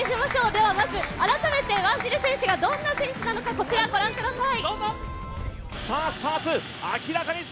では改めてワンジル選手がどんな選手なのか、こちらご覧ください。